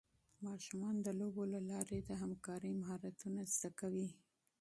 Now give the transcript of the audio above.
ماشومان د لوبو له لارې د همکارۍ مهارتونه زده کوي.